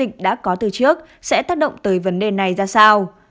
các bệnh viện đã có từ trước sẽ tác động tới vấn đề này ra sao